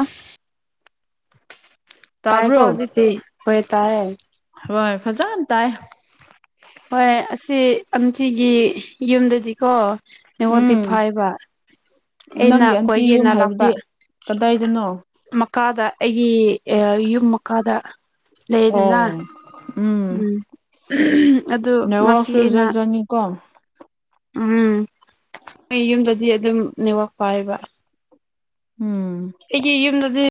ꯑꯁ ꯇꯥꯏꯀꯣ ꯇꯥꯕ꯭ꯔꯣ ꯍꯧꯖꯤꯛꯗꯤ ꯍꯣꯏ ꯇꯥꯥꯏꯌꯦ ꯍꯣꯏ ꯐꯖꯅ ꯇꯥꯏ ꯍꯣꯏ ꯑꯁꯤ ꯑꯝꯆꯤꯒꯤ ꯌꯨꯝꯗꯗꯤꯀꯣ ꯅꯦꯋꯥꯛꯗꯤ ꯎꯝ ꯐꯥꯏꯕ ꯑꯩꯅ ꯅꯪꯒꯤ ꯑꯟꯇꯤ ꯀꯣꯏꯒꯦꯅ ꯌꯨꯝ ꯂꯥꯛꯄ ꯍꯥꯏꯕꯗꯤ ꯀꯗꯥꯏꯗꯅꯣ ꯃꯀꯥꯗ ꯑꯩꯒꯤ ꯑꯦ ꯌꯨꯝ ꯃꯀꯥꯗ ꯑꯣ ꯎꯝ ꯑꯗꯨ ꯉꯁꯤ ꯅꯦꯋꯥꯛꯁꯨ ꯑꯩꯅ ꯖꯥꯠ ꯖꯥꯠꯅꯤ ꯀꯣ ꯎꯝ ꯑꯩ ꯌꯨꯝꯗꯗꯤ ꯑꯗꯨꯝ ꯅꯦꯠꯋꯥꯛ ꯄꯥꯏꯕ ꯎꯝ ꯑꯩꯒꯤ ꯌꯨꯝꯗꯗꯤ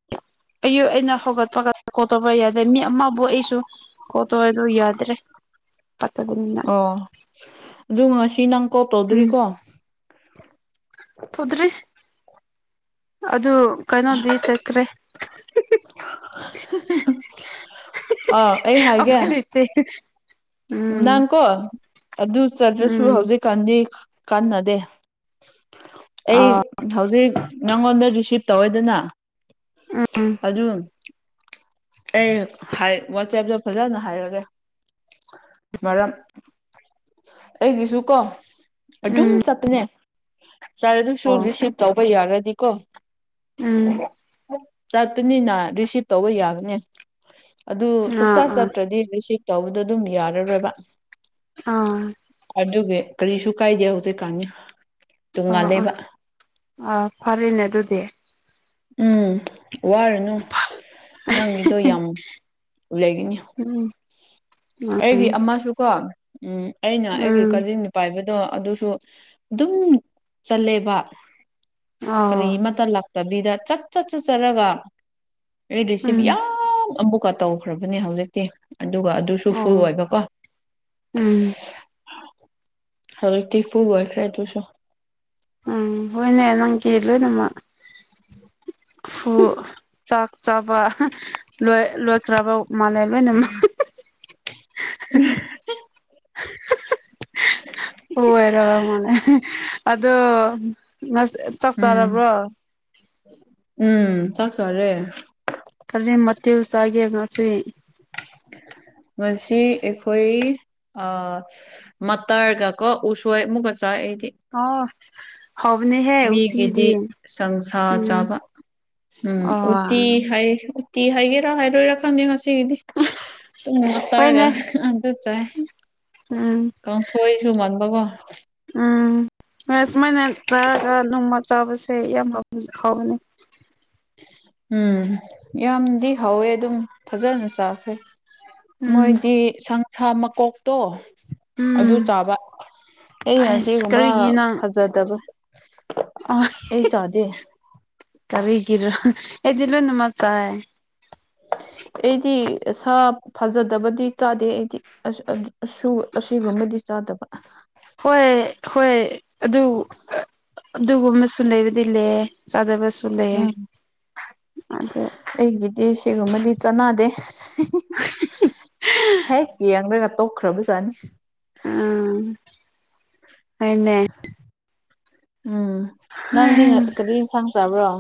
ꯑꯌꯨꯛ ꯑꯩꯅ ꯍꯧꯒꯠꯄ ꯀꯥꯟꯗ ꯀꯣꯜ ꯇꯧꯕꯥ ꯌꯥꯗꯦ ꯃꯤ ꯑꯃꯕꯨ ꯑꯩꯁꯨ ꯀꯣꯜ ꯇꯩꯋꯦ ꯑꯗꯨ ꯌꯥꯗ꯭ꯔꯦ ꯄꯠꯇꯕꯅꯤꯅ ꯑꯣ ꯑꯗꯨ ꯉꯁꯤ ꯅꯪ ꯀꯣꯜ ꯎꯝ ꯇꯧꯗ꯭ꯔꯤꯀꯣ ꯇꯧꯗ꯭ꯔꯤ ꯑꯗꯨ ꯀꯩꯅꯣꯗꯤ ꯆꯠꯈ꯭ꯔꯦ [unintelligible] ꯑꯧ ꯑꯩ ꯍꯥꯏꯒꯦ [unintelligible] ꯅꯪꯀꯣ ꯑꯗꯨ ꯆꯠꯔꯁꯨ ꯎꯝ ꯍꯧꯖꯤꯛ ꯀꯥꯟꯗꯤ ꯀꯥꯟꯅꯗꯦ ꯑꯩ ꯑ ꯍꯧꯖꯤꯛ ꯅꯪꯉꯣꯟꯗ ꯔꯤꯁꯤꯞ ꯇꯧꯋꯦꯗꯅ ꯎꯝ ꯑꯗꯨ ꯑꯩ ꯍꯥꯏ ꯋꯥꯆꯦꯞꯇꯣ ꯐꯖꯅ ꯍꯥꯏꯔꯒꯦ ꯃꯔꯝ ꯑꯩꯒꯤꯁꯨ ꯀꯣ ꯑꯗꯨꯝ ꯎꯝ ꯆꯠꯄꯅꯦ ꯌꯥꯔꯦ ꯑꯗꯨꯁꯨ ꯑꯣ ꯔꯤꯁꯤꯞ ꯇꯧꯕ ꯌꯥꯔꯗꯤꯀꯣ ꯎꯝ ꯆꯠꯄꯅꯤꯅ ꯔꯤꯁꯤꯞ ꯇꯧꯕ ꯌꯥꯒꯅꯤ ꯑꯗꯨ ꯁꯨꯛꯆꯠ ꯑꯥ ꯑꯥ ꯆꯠꯇ꯭ꯔꯗꯤ ꯔꯤꯁꯤꯞ ꯇꯧꯕꯗꯨ ꯑꯗꯨꯝ ꯌꯥꯔꯔꯣꯏꯕ ꯑꯥ ꯑꯗꯨꯒꯤ ꯀꯔꯤꯁꯨꯨ ꯀꯥꯏꯗꯦ ꯍꯧꯖꯤꯛꯀꯥꯥꯟꯗꯤ ꯑꯥ ꯑ ꯑꯥ ꯐꯔꯦꯅꯦ ꯑꯗꯨꯗꯤ ꯎꯝ ꯋꯥꯔꯨꯅꯨ ꯅꯪꯒꯤꯗꯣ ꯌꯥꯝ ꯂꯩꯒꯅꯤ ꯎꯝ ꯎꯝ ꯑꯩꯒꯤ ꯑꯃꯁꯨꯀꯣ ꯎꯝ ꯑꯩꯅ ꯑꯩꯒꯤ ꯎꯝ ꯀꯥꯖꯤꯟ ꯄꯥꯏꯕꯗꯣ ꯑꯗꯨꯁꯨ ꯑꯗꯨꯝ ꯆꯜꯂꯦꯕ ꯀꯔꯤ ꯑꯣ ꯑꯃꯇ ꯂꯥꯛꯇꯕꯤꯗ ꯆꯠ ꯆꯠ ꯆꯠ ꯆꯠꯔꯒ ꯑꯩ ꯔꯤꯁꯤꯞ ꯎꯝ ꯌꯥꯝ ꯑꯃꯨꯛꯀ ꯇꯧꯈ꯭ꯔꯕꯅꯦ ꯍꯧꯖꯤꯛꯇꯤ ꯑꯗꯨꯒ ꯑꯗꯨ ꯁꯨ ꯐꯨꯜ ꯑꯣ ꯑꯣꯏꯕꯀꯣ ꯎꯝ ꯍꯧꯖꯤꯛꯇꯤ ꯐꯨꯜ ꯑꯣꯏꯔꯈꯦ ꯑꯗꯨꯁꯨ ꯎꯝ ꯍꯣꯏꯅꯦ ꯅꯪꯒꯤ ꯂꯣꯏꯅꯃꯛ ꯐꯨ ꯆꯥꯛ ꯆꯥꯕ ꯂꯣꯏꯈ꯭ꯔꯕ ꯃꯥꯜꯂꯦ ꯂꯣꯏꯅꯃꯛ ꯎꯝ [inaudible] ꯎꯝ [unintelligible] [inaudible] ꯑꯣꯏꯔ ꯃꯥꯅꯦ ꯑꯗꯣ ꯉꯁꯤ ꯆꯥꯛ ꯎꯝ ꯆꯥꯔꯕ꯭ꯔꯣ ꯎꯝ ꯆꯥꯛ ꯆꯥꯔꯦ ꯀꯔꯤ ꯃꯊꯦꯜ ꯆꯥꯒꯦ ꯉꯁꯤ ꯉꯁꯤ ꯑꯩꯈꯣꯏ ꯑꯥ ꯃꯇꯔꯒꯀꯣ ꯎꯁꯣꯏ ꯑꯃꯨꯛꯀ ꯆꯥꯏ ꯑꯩꯗꯤ ꯑꯣ ꯍꯥꯎꯕꯅꯤ ꯍꯦ ꯎꯇꯤꯗꯤ ꯃꯤꯒꯤꯗꯤ ꯁꯪꯁꯥ ꯎꯝ ꯆꯥꯕ ꯎꯝ ꯑꯣ ꯎꯇꯤ ꯍꯥꯏ ꯎꯇꯤ ꯍꯥꯏꯒꯦꯔꯥ ꯍꯥꯏꯔꯣꯏꯔꯥ ꯈꯪꯗꯦ ꯉꯁꯤꯒꯤꯗꯤ ꯇꯃ ꯇꯔꯒ ꯍꯣꯏꯅꯦ ꯑꯗꯨ ꯆꯥꯏ ꯎꯝ ꯀꯥꯡꯁꯣꯏꯁꯨ ꯃꯥꯟꯕꯀꯣ ꯎꯝ ꯍꯣꯏ ꯁꯨꯃꯥꯏꯅ ꯆꯥꯔꯒ ꯅꯣꯡꯃ ꯆꯥꯕꯁꯦ ꯌꯥꯝꯅ ꯍꯥꯎꯕꯅꯤ ꯎꯝ ꯌꯥꯝꯗꯤ ꯍꯥꯎꯋꯦ ꯑꯗꯨꯝ ꯐꯖꯅ ꯆꯥꯈ꯭ꯔꯦ ꯎꯝ ꯃꯣꯏꯗꯤ ꯁꯟꯁꯥ ꯃꯀꯣꯛꯇꯣ ꯑꯗꯨ ꯎꯝ ꯆꯥꯕ ꯑꯩꯅ ꯑꯁ ꯁꯤꯒꯨꯝꯕ ꯀꯔꯤꯒꯤ ꯅꯪ ꯐꯖꯗꯕ ꯑꯩ ꯆꯥꯗꯦ ꯀꯔꯤꯒ꯭ꯤꯔꯥ ꯑꯩꯗꯤ ꯂꯣꯏꯅꯃꯛ ꯆꯥꯏ ꯑꯩꯗꯤ ꯁꯥ ꯐꯖꯗꯕꯗꯤ ꯆꯥꯗꯦ ꯑꯩꯗꯤ ꯑꯁꯤꯒꯨꯝꯕꯗꯤ ꯆꯥꯗꯕ ꯍꯣꯏ ꯍꯣꯏ ꯑꯗꯨ ꯑꯗꯨꯒꯨꯝꯕꯁꯨ ꯂꯩꯕꯗꯤ ꯂꯩ ꯆꯗꯕꯁꯨ ꯂꯩꯌꯦ ꯎꯝ ꯑꯗꯨ ꯑꯩꯒꯤꯗꯤ ꯁꯤꯒꯨꯝꯕꯗꯤ ꯆꯥꯟꯅꯗꯦ ꯍꯦꯛ ꯌꯦꯡꯔꯒ ꯇꯣꯛꯈ꯭ꯔꯕꯖꯥꯠꯅꯤ ꯎꯝ ꯍꯣꯏꯅꯦ ꯎꯝ ꯅꯪꯗꯤ ꯀꯔꯤ ꯌꯦꯟꯁꯥꯡ ꯆꯥꯕ꯭ꯔꯣ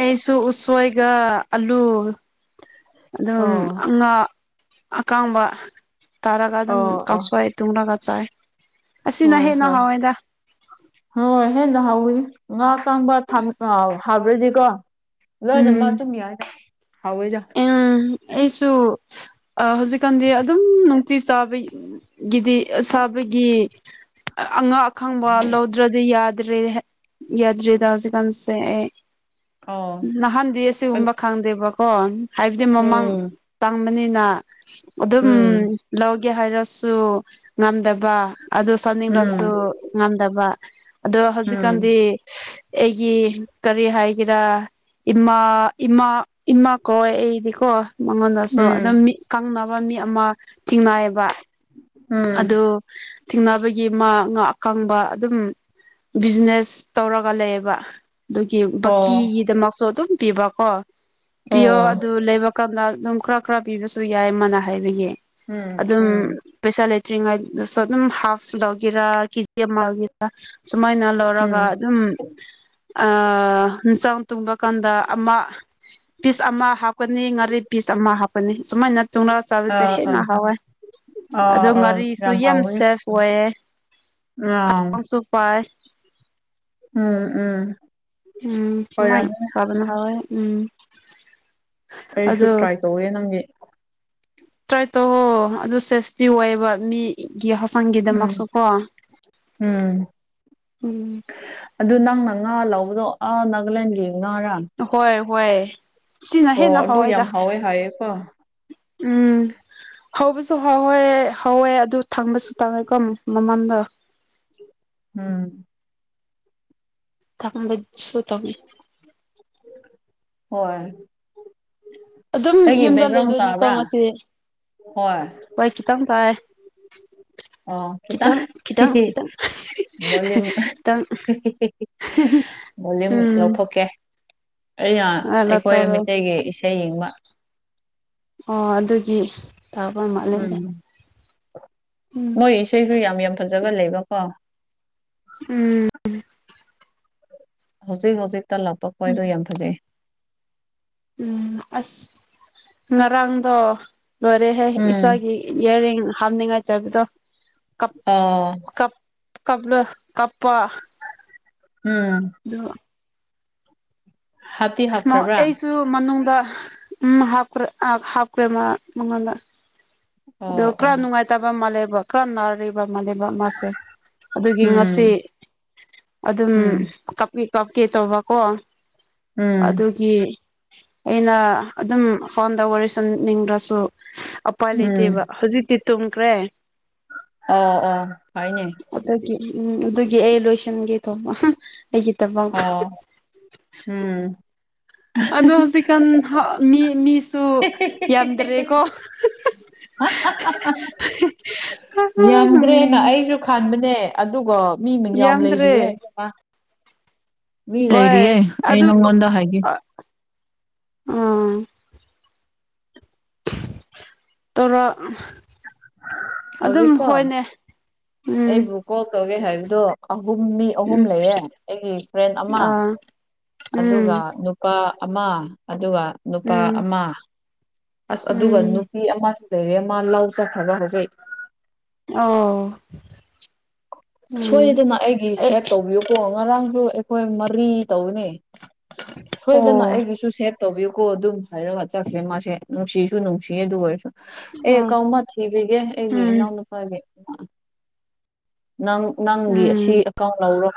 ꯑꯩꯁꯨ ꯎꯁꯣꯏꯒ ꯑꯥꯂꯨ ꯑꯗꯨꯝ ꯑꯣ ꯉꯥ ꯑꯀꯥꯡꯕ ꯇꯥꯔꯒ ꯑꯗꯨꯝ ꯑꯣ ꯑꯣ ꯀꯥꯡꯁꯣꯏ ꯇꯨꯅꯥꯒ ꯆꯥꯏ ꯑꯁꯤꯅ ꯍꯣꯏ ꯍꯦꯟꯅ ꯍꯣꯏ ꯍꯥꯎꯋꯦꯗ ꯍꯣꯏ ꯍꯦꯟꯅ ꯍꯥꯎꯕꯅꯤ ꯉꯥ ꯑꯀꯪꯕ [inaudible] ꯍꯥꯎꯕ꯭ꯔꯗꯤꯀꯣ ꯂꯣꯏꯅꯃꯛ ꯎꯝ ꯑꯗꯨꯝ ꯌꯥꯏꯗꯥ ꯍꯥꯎꯋꯦꯗ ꯎꯝ ꯑꯩꯁꯨ ꯑꯥ ꯍꯧꯖꯤꯛꯀꯥꯟꯗꯤ ꯑꯗꯨꯝ ꯅꯨꯡꯇꯤ ꯆꯥꯕꯩ ꯒꯤꯗꯤ ꯑꯁꯥꯕꯒꯤ ꯑꯉꯛ ꯑꯈꯪꯕ ꯂꯧꯗ꯭ꯔꯗꯤ ꯌꯥꯗ꯭ꯔꯦ ꯌꯥꯗ꯭ꯔꯦꯗ ꯍꯧꯖꯤꯛꯀꯥꯟꯁꯦ ꯑꯩ ꯑꯣ ꯅꯍꯥꯟꯗꯤ ꯎꯝ ꯑꯁꯤꯒꯨꯝꯕ ꯈꯪꯗꯦꯕꯀꯣ ꯍꯥꯏꯕꯗꯤ ꯃꯃꯥꯡ ꯎꯝ ꯇꯪꯕꯅꯤꯅ ꯑꯗꯨꯝ ꯎꯝ ꯂꯧꯒꯦ ꯍꯥꯏꯔꯁꯨ ꯉꯝꯗꯕ ꯑꯗꯨ ꯊꯣꯅꯤꯡꯔꯁꯨ ꯉꯝꯗꯕ ꯑꯗꯣ ꯎꯝ ꯍꯧꯖꯤꯛꯀꯥꯟꯗꯤ ꯑꯩꯒꯤ ꯀꯔꯤ ꯍꯥꯏꯒꯦꯔꯥ ꯏꯃꯥ ꯏꯃꯥ ꯏꯃꯛ ꯀꯣꯏ ꯑꯩꯗꯤꯀꯣ ꯃꯉꯣꯟꯗꯁꯨ ꯎꯝ ꯑꯗꯨꯝ ꯃꯤꯠꯟ ꯀꯪꯅꯕ ꯃꯤ ꯑꯃ ꯊꯤꯡꯅꯩꯑꯕ ꯎꯝ ꯑꯗꯨ ꯊꯤꯡꯅꯕꯒꯤ ꯃꯥ ꯉꯥ ꯑꯀꯪꯕ ꯑꯗꯨꯝ ꯕꯤꯖꯤꯅꯦꯁ ꯇꯧꯔꯒ ꯂꯩꯌꯦꯕ ꯑꯗꯨꯒꯤ ꯑꯣ ꯕꯛꯀꯤꯒꯤꯗꯃꯛꯁꯨ ꯑꯗꯨꯝ ꯄꯤꯕꯀꯣ ꯄꯤꯌꯣ ꯑꯣ ꯑꯗꯨ ꯂꯩꯕꯛ ꯀꯠꯂ ꯑꯗꯨꯝ ꯈꯔ ꯈꯔ ꯄꯤꯕꯁꯨ ꯌꯥꯏ ꯃꯥꯅ ꯍꯥꯏꯕꯒꯤ ꯎꯝ ꯑꯗꯨꯝ ꯎꯝ ꯄꯩꯁꯥ ꯂꯩꯇꯔꯤꯉꯩꯗꯁꯨ ꯑꯗꯨꯝ ꯍꯥꯐ ꯂꯧꯒꯦꯔꯥ ꯀꯦꯖꯤ ꯑꯃ ꯂꯧꯒꯦꯔ ꯁꯨꯃꯥꯏꯅ ꯂꯧꯔꯒ ꯎꯝ ꯑꯗꯨꯝ ꯑꯥ ꯍꯤꯟꯆꯥꯎ ꯇꯨꯡꯕ ꯀꯥꯟꯗ ꯑꯃ ꯄꯤꯁ ꯑꯃ ꯍꯥꯞꯀꯅꯤ ꯉꯥꯔꯤ ꯄꯤꯁ ꯑꯃ ꯍꯥꯞꯀꯅꯤ ꯁꯨꯃꯥꯏꯅ ꯇꯨꯡꯔꯒ ꯆꯥꯕꯤꯁꯦ ꯑꯥ ꯑꯥ ꯍꯦꯟꯅ ꯍꯥꯎꯋꯦ ꯑꯥ ꯑꯗꯨ ꯑꯥ ꯉꯥꯔꯤꯁꯨ ꯌꯥꯝ ꯍꯥꯎꯋꯦ ꯁꯦꯐ ꯑꯣꯏꯌꯦ ꯑꯥ ꯍꯆꯥꯡꯁꯨ ꯄꯥꯏ ꯎꯝ ꯎꯝ ꯎꯝ ꯁꯨꯃꯥꯏꯅ ꯑꯣꯏꯔꯝꯃꯦ ꯆꯥꯕꯅ ꯍꯥꯎꯋꯦ ꯎꯝ ꯑꯩꯁꯨ ꯑꯗꯨ ꯇ꯭ꯔꯥꯏ ꯇꯧꯋꯦ ꯅꯪꯒꯤ ꯇ꯭ꯔꯥꯏ ꯇꯧꯍꯣ ꯑꯗꯨ ꯁꯦꯐꯇꯤ ꯑꯣꯏꯌꯦꯕ ꯃꯤ ꯒꯤ ꯎꯝ ꯍꯛꯆꯥꯡꯒꯤꯗꯃꯛꯁꯨꯀꯣ ꯎꯝ ꯎꯝ ꯑꯗꯨ ꯅꯪꯅ ꯉꯥ ꯂꯧꯕꯗꯣ ꯑꯥ ꯅꯥꯒꯥꯂꯦꯟꯒꯤ ꯉꯥꯔꯥ ꯑꯈꯣꯏ ꯍꯣꯏ ꯁꯤꯅ ꯑꯣ ꯍꯦꯟꯅ ꯑꯗꯨ ꯍꯥꯎꯋꯦꯗ ꯌꯥꯝ ꯍꯥꯎꯋꯦ ꯍꯥꯏꯌꯦꯀꯣ ꯎꯝ ꯍꯧꯕꯁꯨ ꯍꯥꯎꯋꯦ ꯍꯧꯋꯦ ꯑꯗꯨ ꯊꯪꯕꯁꯨ ꯇꯥꯡꯉꯦꯀꯝ ꯃꯃꯟꯗ ꯎꯝ ꯇꯥꯡꯕ ꯁꯨꯠ ꯇꯥꯡꯉꯦ ꯍꯣꯏ ꯑꯗꯨꯝ ꯑꯩꯒꯤ ꯌꯨꯝꯗ ꯕꯦꯛꯒ꯭ꯔꯥꯎꯟ ꯂꯩꯗꯣꯏꯅꯤꯀꯣ ꯇꯥꯕ꯭ꯔꯥ ꯉꯁꯤ ꯍꯣꯏ ꯍꯣꯏ ꯈꯤꯇꯪ ꯇꯥꯏ ꯑꯣ ꯈꯤꯇꯪ ꯍꯤꯍꯤ ꯃꯣꯜꯂꯤ ꯈꯤꯇꯪ ꯚꯣꯂꯤꯌꯨꯝ ꯎꯝ ꯂꯧꯊꯣꯛꯀꯦ ꯑꯩꯅ ꯑꯂ ꯑꯩꯈꯣꯏ ꯇꯧꯔꯣ ꯃꯤꯇꯩꯒꯤ ꯏꯁꯩ ꯌꯦꯡꯕ ꯑꯣ ꯑꯗꯨꯒꯤ ꯇꯥꯕ ꯃꯥꯜꯂꯦꯅꯦ ꯎꯝ ꯎꯝ ꯃꯣꯏ ꯏꯁꯩꯁꯨ ꯌꯥꯝ ꯌꯥꯝ ꯐꯖꯕ ꯂꯩꯕꯀꯣ ꯎꯝ ꯍꯧꯖꯤꯛ ꯍꯧꯖꯤꯛꯇ ꯂꯥꯛꯄ ꯈꯣꯏꯗꯣ ꯌꯥꯝ ꯐꯖꯩ ꯎꯝ ꯑꯁ ꯉꯔꯥꯡꯗꯣ ꯂꯣꯏꯔꯦꯍꯦ ꯎꯝ ꯏꯁꯩꯒꯤ ꯏꯌ꯭ꯔꯔꯤꯡ ꯍꯥꯞꯅꯤꯡꯉꯥꯏ ꯆꯕꯗꯣ ꯀꯞ ꯑꯥ ꯀꯞ ꯀꯞꯂ ꯀꯞꯄꯥ ꯎꯝ ꯑꯗꯨ ꯍꯠ ꯃꯣꯠ ꯑꯩꯁꯨ ꯃꯅꯨꯡꯗ ꯎꯝ ꯍꯥꯞꯈ꯭ꯔꯦ ꯑ ꯍꯥꯞꯈ꯭ꯔꯦꯃ ꯃꯪꯉꯣꯟꯗ ꯑꯗꯨ ꯑꯣ ꯈꯔ ꯑꯣ ꯅꯨꯡꯉꯥꯏ ꯇꯕ ꯃꯥꯜꯂꯦꯕ ꯈꯔ ꯅꯥꯔꯤꯞ ꯕ ꯃꯥꯜꯂꯦꯕ ꯃꯥꯁꯦ ꯑꯗꯨꯒꯤ ꯉꯁꯤ ꯎꯝ ꯑꯗꯨꯝ ꯎꯝ ꯀꯞꯄꯤ ꯀꯞꯀꯦ ꯇꯧꯕꯀꯣ ꯎꯝ ꯑꯗꯨ ꯒꯤ ꯑꯩꯅ ꯑꯗꯨꯝ ꯐꯣꯟꯗ ꯋꯥꯔꯤ ꯁꯟꯅꯤꯡꯗ꯭ꯔꯁꯨ ꯎꯄꯥ ꯂꯩꯇꯦꯕ ꯎꯝ ꯍꯧꯖꯤꯛꯇꯤ ꯇꯨꯝꯈ꯭ꯔꯦ ꯑꯣ ꯑꯣ ꯍꯥꯏꯅꯦ ꯑꯗꯨꯗꯒꯤ ꯎꯝ ꯑꯗꯨꯒꯤ ꯑꯩ ꯂꯣꯏꯁꯤꯟꯒꯦ ꯇꯧꯕ ꯑꯩꯒꯤꯗꯕꯛ ꯑ ꯎꯝ ꯑꯗꯣ ꯍꯧꯖꯤꯛꯀꯥꯟ ꯃꯤ ꯃꯤꯁꯨ ꯌꯥꯝꯗ꯭ꯔꯦꯀꯣ ꯌꯥꯝꯗ꯭ꯔꯦꯅ ꯑꯩ ꯈꯥꯟꯕꯅꯦ ꯑꯗꯨꯒ ꯃꯤ ꯃꯤꯡ ꯌꯥꯝ ꯌꯥꯝꯗ꯭ꯔꯦ ꯂꯩꯔꯤꯌꯦ ꯏꯕꯦꯝꯃ ꯃꯤ ꯍꯣꯏ ꯂꯩꯔꯤꯌꯦ ꯑꯩ ꯑꯗꯨ ꯅꯪꯉꯣꯟꯗ ꯍꯥꯏꯒꯦ ꯎ ꯇꯧꯔꯣ ꯑꯗꯨꯝ ꯍꯧꯖꯤꯛꯀꯣ ꯍꯣꯏꯅꯦ ꯎꯝ ꯑꯩꯕꯨ ꯀꯣꯜ ꯇꯧꯒꯦ ꯍꯥꯏꯕꯗꯣ ꯑꯍꯨꯝ ꯃꯤ ꯑꯍꯨꯝ ꯎꯝ ꯂꯩꯌꯦ ꯑꯩꯒꯤ ꯐ꯭ꯔꯦꯟ ꯑꯃ ꯑꯥ ꯑꯗꯨꯒ ꯎꯝ ꯅꯨꯄꯥ ꯑꯃ ꯑꯗꯨꯒ ꯅꯨꯄꯥ ꯎꯝ ꯑꯃ ꯑꯁ ꯑꯗꯨꯒ ꯎꯝ ꯅꯨꯄꯤ ꯑꯃ ꯂꯩꯔꯦ ꯃꯥ ꯂꯥꯎꯖꯈ꯭ꯔꯕ ꯍꯧꯖꯤꯛ ꯑꯣ ꯎꯝ ꯁꯣꯏꯗꯥꯅ ꯑꯩꯒꯤ ꯑꯦ ꯁꯦꯞ ꯇꯧꯕꯤꯌꯨ ꯀꯣ ꯉꯔꯥꯡꯁꯨ ꯑꯩꯈꯣꯏ ꯃꯔꯤ ꯇꯧꯕꯅꯤ ꯁꯣꯏꯗꯅ ꯑꯣ ꯑꯩꯒꯤꯁꯨ ꯁꯦꯞ ꯇꯧꯕꯤꯌꯨꯀꯣ ꯑꯗꯨꯝ ꯍꯥꯏꯔꯒ ꯆꯠꯈ꯭ꯔꯦ ꯃꯥꯁꯦ ꯅꯨꯡꯁꯤꯁꯨ ꯅꯨꯡꯁꯤꯌꯦ ꯑꯗꯨ ꯑꯣꯏꯔꯁꯨ ꯑꯦ ꯎꯝ ꯀꯥꯎꯃꯟ ꯊꯤꯕꯤꯒꯦ ꯑꯩꯒꯤ ꯏꯅꯥꯎꯅꯨꯄꯥꯒꯤ ꯅꯪ ꯅꯪꯒꯤ ꯑꯁꯤ ꯎꯝ ꯎꯝ ꯀꯥꯎꯅꯧꯔꯣ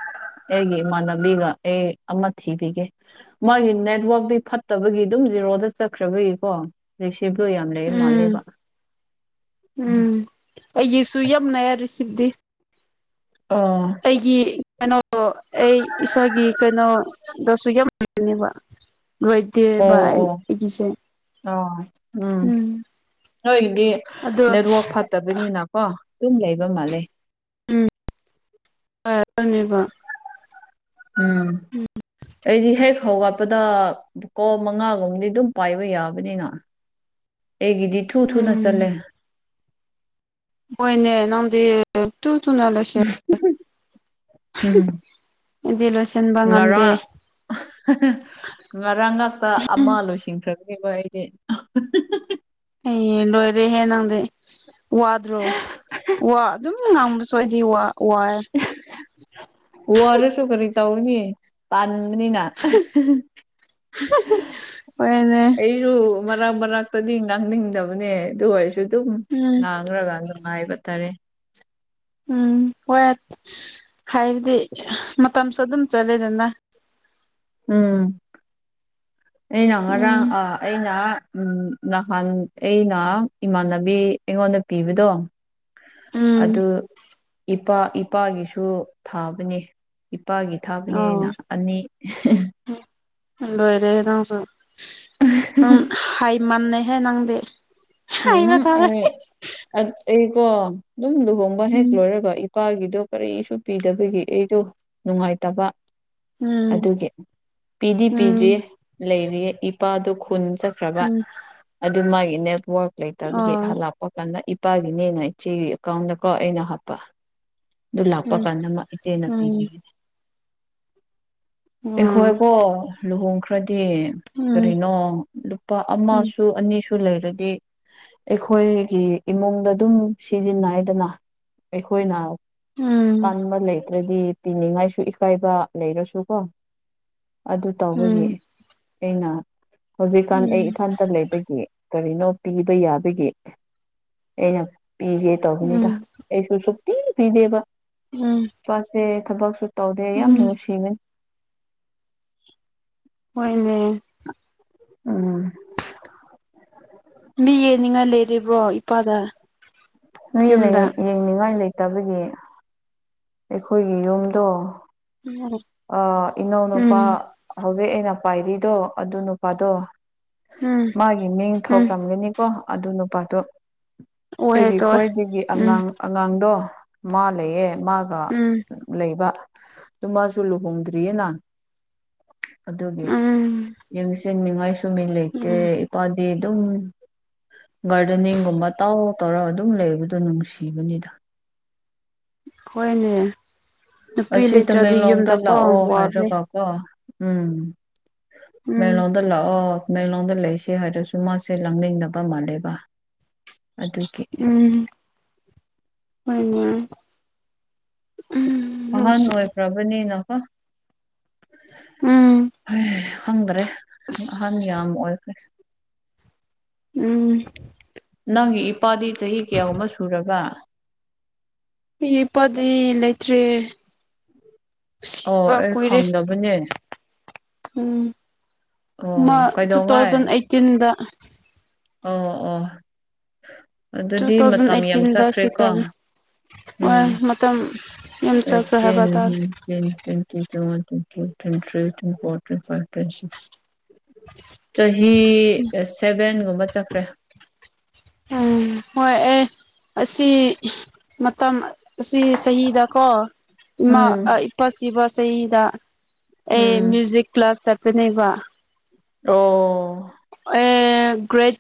ꯑꯩꯒꯤ ꯏꯃꯥꯟꯅꯕꯤꯒ ꯑꯩ ꯑꯃ ꯊꯤꯕꯤꯒꯦ ꯃꯥꯒꯤ ꯅꯦꯠꯋꯔꯥꯛꯇꯤ ꯐꯠꯇꯕꯒꯤ ꯑꯗꯨꯝ ꯖꯦꯔꯣꯗ ꯆꯠꯈ꯭ꯔꯕꯒꯤꯀꯣ ꯔꯤꯁꯤꯞ ꯇꯣ ꯌꯥꯝ ꯂꯩ ꯎꯝ ꯃꯥꯜꯂꯦꯕ ꯎꯝ ꯑꯩꯒꯤꯁꯨ ꯌꯥꯝ ꯂꯩꯌꯦ ꯔꯤꯁꯤꯞꯇꯤ ꯑꯥ ꯑꯩꯒꯤ ꯀꯩꯅꯣ ꯑꯩ ꯏꯁꯥꯒꯤ ꯀꯩꯅꯣꯗꯥꯁꯨ ꯌꯥꯝ ꯂꯩꯇꯦꯕꯥ ꯑꯣ ꯑꯩꯒꯤꯁꯦ ꯑꯣ ꯎꯝ ꯅꯣꯏꯒꯤꯗꯤ ꯑꯗꯣ ꯅꯦꯠꯋꯥꯛ ꯐꯠ ꯐꯠꯇꯕꯅꯤꯅꯀꯣ ꯑꯗꯨꯝ ꯂꯩꯕ ꯃꯥꯜꯂꯦ ꯎꯝ ꯌꯥ ꯑꯗꯨꯅꯦꯕ ꯎꯝ ꯑꯩꯗꯤ ꯍꯦꯛ ꯍꯧꯒꯠꯄꯗꯥ ꯀꯣꯜ ꯃꯉꯥꯒꯨꯝꯕꯗꯤ ꯑꯗꯨꯝ ꯄꯥꯏꯕ ꯌꯥꯕꯅꯤꯅ ꯑꯩꯒꯤꯗꯤ ꯊꯨ ꯊꯨꯅ ꯎꯝ ꯆꯠꯂꯦ ꯍꯣꯏꯅꯦ ꯅꯪꯗꯤ ꯇꯨ ꯇꯨꯅ ꯂꯣꯢꯁꯤꯟꯂꯦ ꯎꯝ ꯑꯩꯗꯤ ꯂꯣꯏꯁꯤꯟꯕ ꯉꯝꯗꯦ ꯉꯔꯥꯡ ꯉꯔꯥꯡ ꯉꯥꯛꯇꯥ ꯑꯃꯥ ꯂꯣꯏꯁꯤꯟꯈ꯭ꯔꯕꯅꯦꯕ ꯑꯩꯗꯤ ꯑꯦ ꯂꯣꯏꯔꯦꯍꯦ ꯅꯪꯗꯤ ꯋꯥꯗ꯭ꯔꯣ ꯋꯥ ꯑꯗꯨꯝ ꯉꯥꯡꯕꯁꯨ ꯑꯩꯗꯤ ꯋꯥ ꯋꯥꯑꯦ ꯋꯥꯔꯁꯨ ꯀꯔꯤ ꯇꯧꯒꯅꯤ ꯇꯟꯅꯤꯅꯥ [unintelligible] ꯍꯣꯏꯅꯦ ꯑꯩꯁꯨ ꯃꯔꯛ ꯃꯔꯛꯇꯥꯗꯤ ꯉꯥꯡꯅꯤꯡꯗꯕꯅꯦ ꯑꯗꯨ ꯑꯣꯏꯁꯨ ꯑꯗꯨꯝ ꯎꯝ ꯉꯥꯡꯔꯥꯒꯥ ꯍꯥꯏꯕ ꯇꯥꯔꯦ ꯎꯝ ꯍꯣꯏ ꯍꯥꯏꯕꯗꯤ ꯃꯇꯝꯁꯨ ꯑꯗꯨꯝ ꯆꯠꯂꯦꯗꯅ ꯎꯝ ꯑꯩꯅ ꯉꯔꯥꯡ ꯎꯝ ꯑꯥ ꯑꯩꯅ ꯎꯝ ꯅꯍꯥꯟ ꯑꯩꯅ ꯏꯃꯥꯟꯅꯕꯤ ꯑꯩꯉꯣꯟꯗ ꯄꯤꯕꯗꯣ ꯎꯝ ꯑꯗꯨ ꯏꯄꯥ ꯏꯄꯥꯒꯤꯁꯨ ꯊꯥꯕꯅꯤ ꯏꯄꯥꯒꯤ ꯊꯥꯕꯅꯦꯅ ꯑꯩꯅꯥ ꯑꯅꯤ [unintelligible] ꯂꯣꯏꯔꯦꯍꯦ ꯅꯪꯁꯨ ꯎꯝ ꯍꯩ ꯃꯥꯟꯅꯦꯍꯦ ꯅꯪꯗꯤ ꯍꯥꯏꯕ ꯎꯝ ꯇꯥꯔꯦ ꯑꯩ ꯑꯩꯀꯣ ꯑꯗꯨꯝ ꯂꯨꯍꯣꯡꯕ ꯍꯦꯛ ꯎꯝ ꯂꯣꯏꯔꯒ ꯀꯥꯒꯤꯗꯣ ꯀꯔꯤꯁꯨ ꯄꯤꯗꯕꯒꯤ ꯑꯩꯗꯣ ꯅꯨꯡꯉꯥꯏꯇꯕ ꯎꯝ ꯑꯗꯨꯒꯤ ꯄꯤꯗꯤ ꯄꯤꯗ꯭ꯔꯤꯌꯦ ꯎꯝ ꯂꯩꯔꯤꯌꯦ ꯏꯄꯥꯗꯣ ꯈꯨꯟ ꯈ꯭ꯔꯕ ꯎꯝ ꯑꯗꯨ ꯃꯥꯒꯤ ꯅꯦꯠꯋꯥꯔꯛ ꯂꯩꯇꯕꯒꯤ ꯑꯣ ꯍꯜꯂꯛ ꯄꯥ ꯀꯥꯟꯗꯥ ꯏꯄꯥꯒꯤꯅꯦꯅ ꯏꯆꯦꯒꯤ ꯑꯦꯀꯥꯎꯟꯗ ꯀꯣ ꯑꯩꯅ ꯍꯥꯞꯄ ꯑꯗꯨ ꯂꯥꯛꯄ ꯎꯝ ꯀꯥꯟꯗ ꯃꯥ ꯏꯆꯦꯅ ꯎꯝ ꯄꯤꯈꯤꯒꯅꯤ ꯎꯝ ꯑꯩꯈꯣꯏꯀꯣ ꯂꯨꯍꯣꯡꯈ꯭ꯔꯗꯤ ꯎꯝ ꯀꯔꯤꯅꯣ ꯂꯨꯄꯥ ꯎꯝ ꯑꯃꯁꯨ ꯑꯅꯤꯁꯨ ꯂꯩꯔꯗꯤ ꯑꯩꯈꯣꯏꯒꯤ ꯏꯃꯨꯡꯗ ꯑꯗꯨꯝ ꯁꯤꯖꯤꯟꯅꯩꯗꯅ ꯑꯩꯈꯣꯏꯅ ꯎꯝ ꯇꯥꯟꯕ ꯂꯩꯇ꯭ꯔꯗꯤ ꯄꯤꯅꯤꯡꯉꯥꯏꯁꯨ ꯏꯀꯥꯏꯕ ꯂꯩꯔꯥꯁꯨꯀꯣ ꯑꯗꯨ ꯎꯝ ꯇꯧꯕꯒꯤ ꯑꯩꯅ ꯍꯧꯖꯤꯛꯀꯥꯟ ꯑꯩ ꯏꯊꯥꯟꯇꯥ ꯂꯩꯕꯒꯤ ꯀꯔꯤꯅꯣ ꯄꯤꯕ ꯌꯥꯕꯒꯤ ꯑꯩꯅ ꯄꯤꯁꯦ ꯇꯧꯕꯅꯤꯗ ꯎꯝ ꯑꯩꯁꯨ ꯁꯨꯛꯄꯤ ꯄꯤꯗꯦ ꯎꯝ ꯏꯄꯥꯁꯦ ꯊꯕꯛꯁꯨ ꯇꯧꯗꯦ ꯌꯥꯝ ꯎꯝ ꯅꯨꯡꯁꯤꯕꯅꯤ ꯍꯣꯏꯅꯦ ꯎꯝ ꯃꯤ ꯌꯦꯡꯅꯤꯡꯉꯥꯏ ꯂꯩꯔꯤꯕꯔꯣ ꯏꯄꯥꯗ ꯃꯤꯂꯩꯌꯦ ꯌꯨꯝꯗ ꯌꯦꯡꯅꯤꯡꯉꯥꯏ ꯂꯩꯇꯕꯒꯤ ꯑꯩꯈꯣꯏꯒꯤ ꯌꯨꯝꯗꯣ꯫ ꯎꯝ꯫ ꯑ ꯏꯅꯥꯎ ꯅꯨꯄꯥ ꯎꯝ ꯍꯧꯖꯤꯛ ꯑꯩꯅ ꯄꯥꯏꯔꯤꯗꯣ ꯑꯗꯨ ꯅꯨꯄꯥꯗꯣ ꯃꯥꯒꯤ ꯃꯤꯡ ꯎꯝ ꯊꯣꯛꯈ꯭ꯔꯝꯅꯤꯅꯦꯀꯣ ꯑꯗꯨ ꯅꯨꯄꯥꯗꯣ꯫ ꯑꯣꯏꯍꯦ ꯑꯩꯒꯤ ꯇꯣꯏ ꯈ꯭ꯋꯥꯏꯗꯒꯤ ꯎꯝ ꯑꯉꯥꯡ ꯑꯉꯥꯡꯗꯣ ꯃꯥ ꯂꯩꯌꯦ ꯃꯥꯒ ꯎꯝ ꯂꯩꯕ ꯑꯗꯨꯃꯥꯖꯨ [unintelligible] ꯂꯨꯍꯣꯡꯗꯔꯤꯌꯦꯅ꯫ ꯑꯗꯨꯒꯤ ꯎꯝ ꯌꯦꯡꯁꯤꯟꯅꯤꯉꯥꯏ ꯃꯤ ꯂꯩꯇꯦ ꯎꯝ ꯏꯄꯥꯗꯤ ꯑꯗꯨꯝ ꯒꯥꯔꯗꯦꯅꯤꯡꯒꯨꯝꯕ ꯇꯧ ꯇꯧꯔ ꯑꯗꯨꯝ ꯂꯩꯕꯗꯣ ꯅꯨꯡꯁꯤꯕꯅꯤꯗ꯫ ꯍꯣꯏꯅꯦ ꯅꯨꯄꯤ ꯑꯁꯤ ꯂꯩꯇ꯭ꯔꯗꯤ ꯌꯨꯝꯗꯀꯣ ꯋꯥꯕꯅꯦ꯫ ꯑꯗꯣ ꯎꯝ ꯎꯝ ꯃꯦꯂꯣꯟ ꯗ ꯂꯥꯛꯑꯣ ꯃꯦꯂꯣꯟꯗ ꯂꯩꯁꯦ ꯍꯥꯏꯔꯁꯨ ꯃꯥꯁꯦ ꯂꯥꯛꯅꯤꯡꯗꯕ ꯃꯥꯜꯂꯦꯕ꯫ ꯑꯗꯨꯒꯤ ꯎꯝ ꯍꯣꯏ ꯑꯗꯨꯃꯥꯏꯅ ꯎꯝ꯫ ꯑꯍꯟ ꯅꯨꯡꯁꯤ ꯑꯣꯏꯒꯔꯕꯅꯤꯅꯀꯣ꯫ ꯎꯝ ꯍꯩ ꯈꯪꯗ꯭ꯔꯦ ꯑꯍꯟ ꯑꯁ ꯌꯥꯝ ꯑꯣꯏꯈꯔꯦ꯫ ꯎꯝ꯫ ꯅꯪꯒꯤ ꯏꯄꯥꯗꯤ ꯆꯍꯤ ꯀꯌꯥꯒꯨꯝꯕ ꯁꯨꯔꯕ꯫ ꯑꯩ ꯏꯄꯥꯗꯤ ꯂꯩꯇ꯭ꯔꯦ ꯑꯣ ꯁꯤꯕ ꯑꯩ ꯀꯨꯏꯔꯦ꯫ ꯈꯪꯗꯕꯅꯦ ꯎꯝ ꯑꯣ ꯃꯥ ꯇꯨ ꯀꯩꯗꯧꯉꯩ ꯊꯥꯎꯖꯟ ꯑꯩꯇꯤꯟꯗ꯫ ꯑꯣ ꯑꯣ꯫ ꯇꯨ ꯑꯗꯨꯗꯤ ꯊꯥꯎꯖꯟ ꯃꯇꯝ ꯌꯥꯝ ꯑꯩꯇꯤꯟꯗ ꯆꯠꯈ꯭ꯔꯦꯀꯣ ꯁꯤꯈꯔꯝꯅꯦ ꯎꯝ [unintelligible] ꯃꯇꯝ ꯌꯥꯝ ꯆꯞꯄꯦ ꯍꯥꯏꯕ ꯇꯥꯗꯦ꯫ Ten twenty twenty one twenty two twenty three twenty four twenty five twenty six. ꯆꯍꯤ ꯁꯚꯦꯟꯒꯨꯝꯕ ꯆꯠꯈ꯭ꯔꯦ꯫ ꯎꯝ ꯍꯣꯏ ꯑꯦ ꯑꯁꯤ ꯃꯇꯝ ꯑꯁꯤ ꯆꯍꯤꯗ ꯀꯣ ꯏꯃꯥ ꯎꯝ ꯏꯄꯥ ꯁꯤꯕ ꯆꯍꯤꯗ ꯑꯩ ꯎꯝ ꯃꯌꯨꯖꯤꯛ ꯀ꯭ꯂꯥꯁ ꯆꯠꯄꯅꯦꯕ ꯑꯣ꯫ ꯑꯦ ꯒ꯭ꯔꯦꯠ